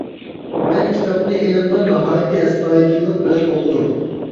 مەن كىتابنى ئېلىپلا ناھايىتى ئەستايىدىللىق بىلەن ئوقۇدۇم.